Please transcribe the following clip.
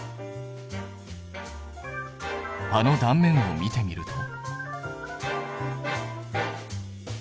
葉の断面を見てみると。